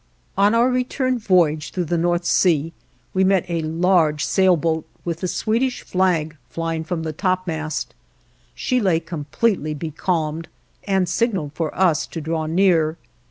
On our return voyage through the North Sea we met a large sailboat, with the Swedish flag flying from the topmast. She lay completely becalmed, and signaled for us to draw near.